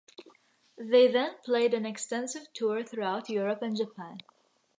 They then played an extensive tour throughout Europe and Japan.